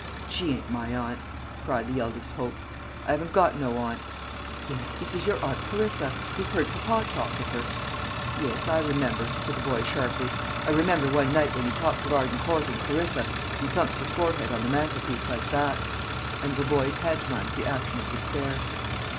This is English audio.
"She ain't my aunt," cried the eldest hope. "I haven't got no aunt." "Yes, this is your aunt Clarissa. You've heard papa talk of her." "Yes, I remember," said the boy sharply. "I remember one night when he talked of Arden Court and Clarissa, and thumped his forehead on the mantelpiece like that;" and the boy pantomimed the action of despair.